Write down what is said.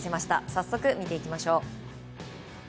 早速見ていきましょう。